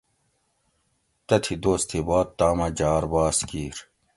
تتھی دوس تھی باد تامہ جھار باس کِیر